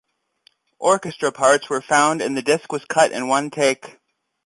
Orchestra parts were found and the disc was cut in one take.